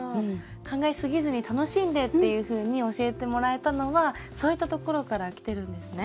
考えすぎずに楽しんでっていうふうに教えてもらえたのはそういったところからきてるんですね。